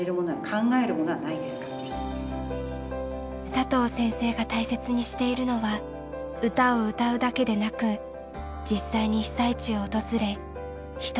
佐藤先生が大切にしているのは歌を歌うだけでなく実際に被災地を訪れ人に出会うこと。